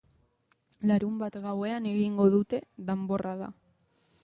Larunbat gauean egingo dute danborrada.